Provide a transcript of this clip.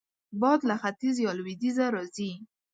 باد له ختیځ یا لوېدیځه راځي